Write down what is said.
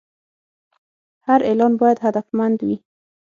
هر اعلان باید هدفمند وي.